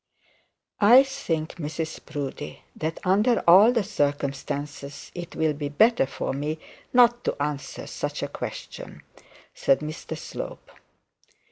'I think, Mrs Proudie, that under all the circumstances it will be better for me not to answer such a question,' said Mr Slope.